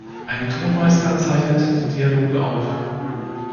Ein Tonmeister zeichnet die Dialoge auf.